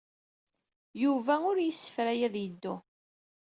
Yuba ur la yessefray ad yeddu.